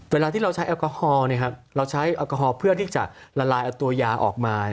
เวลาที่เราใช้แอลกอฮอล์เราใช้แอลกอฮอล์เพื่อที่จะละลายเอาตัวยาออกมา